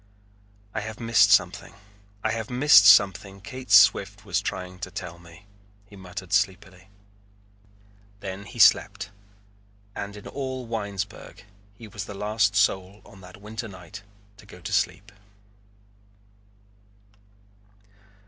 "I have missed something. I have missed something Kate Swift was trying to tell me," he muttered sleepily. Then he slept and in all Winesburg he was the last soul on that winter night to go to sleep.